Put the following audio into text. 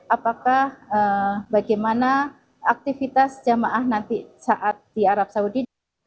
apakah bagaimana aktivitas jamaah nanti saat di arab saudi